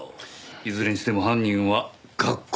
いずれにしても犯人は学校関係者？